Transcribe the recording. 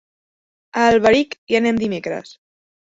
A Alberic hi anem dimecres.